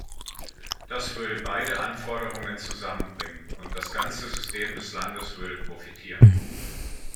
Das würde beide Anforderungen zusammenbringen, und das ganze System des Landes würde profitieren.